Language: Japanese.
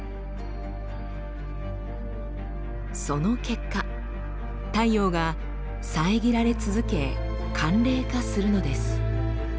その結果太陽が遮られ続け寒冷化するのです。